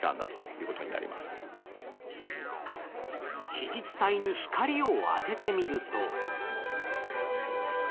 子実体に光を当ててみると。